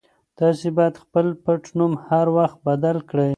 تاسي باید خپل پټنوم هر وخت بدل کړئ.